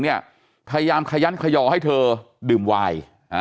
พยายามขยันขยอให้เธอดื่มวาย